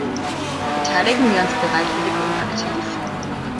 Beteiligen wir uns bereitwillig und aktiv?